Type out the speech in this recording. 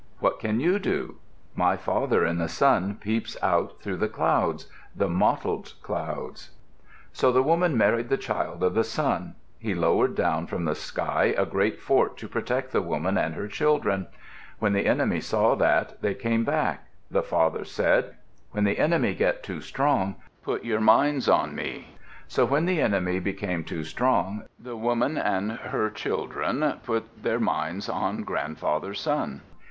"What can you do?" "My father in the sun peeps out through the clouds the mottled clouds." So the woman married the child of the sun. He lowered down from the sky a great fort to protect the woman and her children. When the enemy saw that, they came back. The father said, "When the enemy get too strong, put your minds on me." So when the enemy became too strong, the woman and her children put their minds on Grandfather Sun.